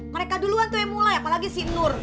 mereka duluan tuh yang mulai apalagi si nur